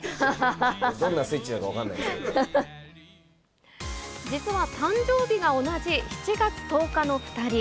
どんなスイッチだか分からないで実は誕生日が同じ７月１０日の２人。